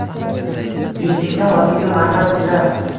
Yuzingda hozirgi marmar zina